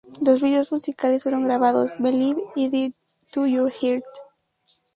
Dos videos musicales fueron grabados, "Believe" y "Death To Your Heart!